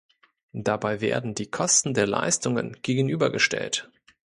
Dabei werden die Kosten den Leistungen gegenübergestellt.